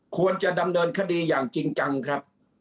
ควรจะดำเนินคดีอย่างจริงจังครับ